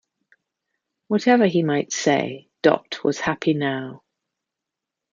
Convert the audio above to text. Whatever he might say Dot was happy now.